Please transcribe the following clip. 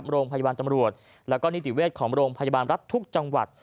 โรงพยาบาลตำรวจแล้วก็นิติเวชของโรงพยาบาลรัฐทุกจังหวัด